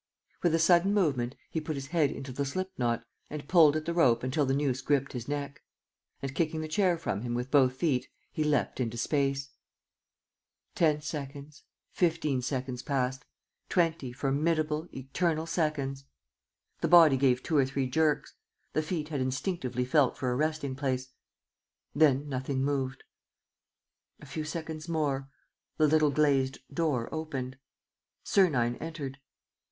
With a sudden movement he put his head into the slip knot and pulled at the rope until the noose gripped his neck. And, kicking the chair from him with both feet, he leapt into space. Ten seconds, fifteen seconds passed, twenty formidable, eternal seconds. ... The body gave two or three jerks. The feet had instinctively felt for a resting place. Then nothing moved. ... A few seconds more. ... The little glazed door opened. Sernine entered.